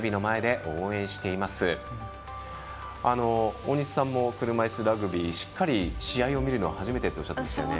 大西さんも車いすラグビーしっかり、試合を見るのは初めてとおっしゃっていましたよね。